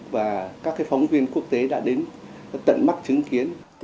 và các phóng viên quốc tế đã đến tận mắt chứng kiến